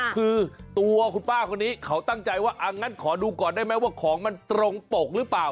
คือตัวคุณป้าคนนี้เขาตั้งใจว่างั้นขอดูก่อนได้ไหมว่าของมันตรงปกหรือเปล่า